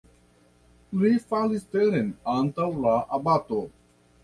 Li falis teren antaŭ la abato.